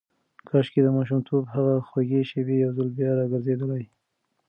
کاشکې د ماشومتوب هغه خوږې شېبې یو ځل بیا راګرځېدلای.